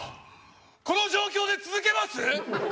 この状況で続けます？